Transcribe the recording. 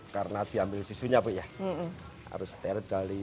karena diambil susunya